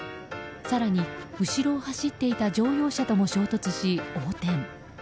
更に、後ろを走っていた乗用車とも衝突し横転。